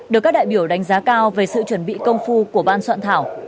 được các đại biểu đánh giá cao về sự chuẩn bị công phu của ban soạn thảo